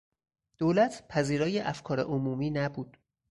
دولت پذیرای افکار عمومی نبود.